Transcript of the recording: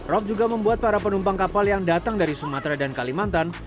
rop juga membuat para penumpang kapal yang datang dari sumatera dan kalimantan